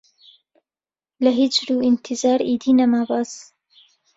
لە هیجر و ئینتیزار ئیدی نەما باس